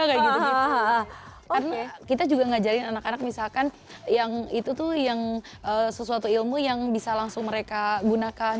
karena kita juga ngajarin anak anak misalkan yang itu tuh yang sesuatu ilmu yang bisa langsung mereka gunakan